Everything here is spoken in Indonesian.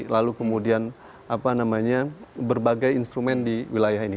lalu kemudian berbagai instrumen di wilayah ini